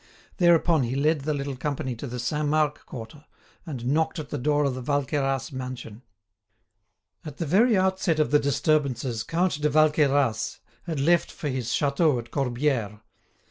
Thereupon he led the little company to the Saint Marc quarter and knocked at the door of the Valqueyras mansion. At the very outset of the disturbances Count de Valqueyras had left for his chateau at Corbière.